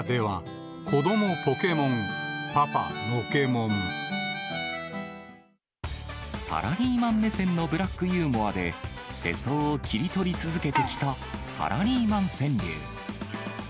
わが家では、サラリーマン目線のブラックユーモアで、世相を切り取り続けてきたサラリーマン川柳。